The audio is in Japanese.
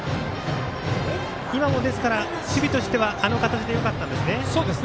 今も、守備としてはあの形でよかったんですね。